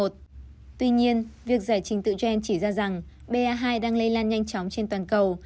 tuy nhiên việc giải trình tự gen chỉ ra rằng ba hai đang lây lan nhanh chóng trên toàn cầu